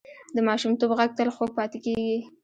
د ماشومتوب غږ تل خوږ پاتې کېږي